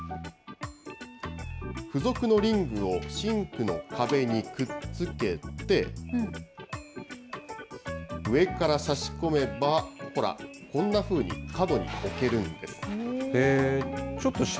付属のリングをシンクの壁にくっつけて、上から差し込めばほら、こんなふうに角に置けるんです。